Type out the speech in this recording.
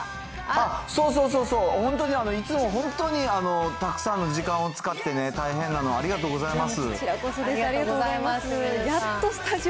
そうそうそうそう、本当にいつも本当に、たくさんの時間を使ってね、大変なのをありがとうございます。